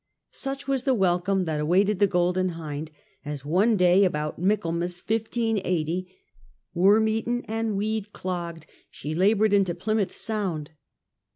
Such was the welcome that awaited the Golden Hind, as one day about Michaelmas 1580, worm eaten and weed clogged, she laboured into Plymouth Sound.